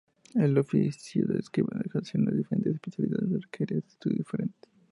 El oficio de escriba se ejercía en diferentes especialidades y requería estudios diferentes.